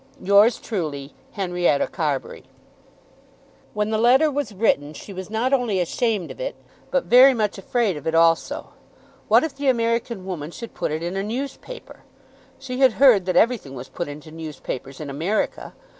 Yours truly, HENRIETTA CARBURY. When the letter was written she was not only ashamed of it, but very much afraid of it also. What if the American woman should put it in a newspaper! She had heard that everything was put into newspapers in America.